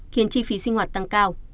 khiến chi phí sinh hoạt tăng cao